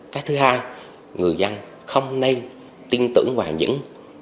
cái thứ hai người dân không nên tin tưởng vào những